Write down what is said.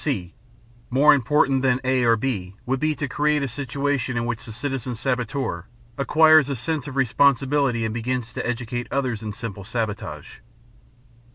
(c) More important than (a) or (b) would be to create a situation in which the citizen saboteur acquires a sense of responsibility and begins to educate others in simple sabotage.